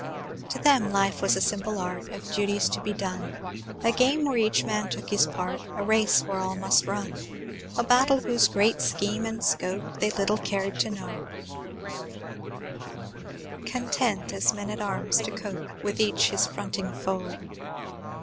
To them life was a simple art Of duties to be done, A game where each man took his part, A race where all must run; A battle whose great scheme and scope They little cared to know, Content, as men at arms, to cope Each with his fronting foe.